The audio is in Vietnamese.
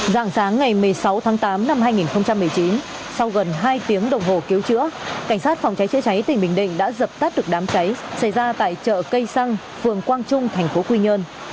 dạng sáng ngày một mươi sáu tháng tám năm hai nghìn một mươi chín sau gần hai tiếng đồng hồ cứu chữa cảnh sát phòng cháy chữa cháy tỉnh bình định đã dập tắt được đám cháy xảy ra tại chợ cây xăng phường quang trung thành phố quy nhơn